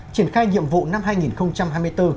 triển khai nhiệm vụ năm hai nghìn hai mươi bốn